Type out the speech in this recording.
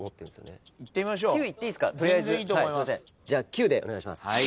じゃあ９でお願いします。